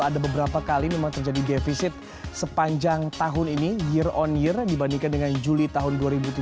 ada beberapa kali memang terjadi defisit sepanjang tahun ini year on year dibandingkan dengan juli tahun dua ribu tujuh belas